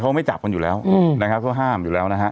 เขาไม่จับกันอยู่แล้วนะครับเขาห้ามอยู่แล้วนะฮะ